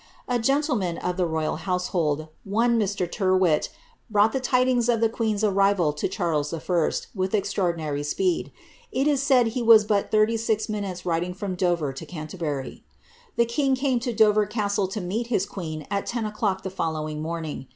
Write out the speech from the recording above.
A gentleman of the royal household, one Mr. Tyrwhit, brought the tidings of the queen^s arrival to Charles I. with extraordinary speed ; it is said he was but thirty six minutes riding from Dover to Canterbury. The king came to Dover castle to greet his bride at ten o'clock the following morning.